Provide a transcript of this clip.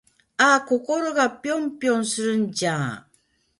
あぁ〜心がぴょんぴょんするんじゃぁ〜